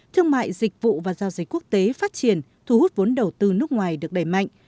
thương mại dịch vụ và giao dịch quốc tế phát triển thu hút vốn đầu tư nước ngoài được đẩy mạnh